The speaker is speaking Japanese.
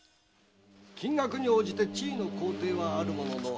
金額に応じて地位の高低はあるものの勘定